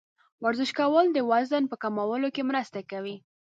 ورزش کول د وزن په کمولو کې مرسته کوي.